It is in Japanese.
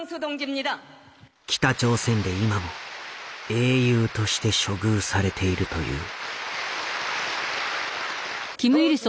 北朝鮮で今も英雄として処遇されているという。